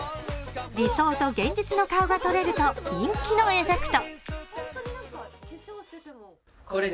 理想と現実の顔が撮れると人気のエフェクト。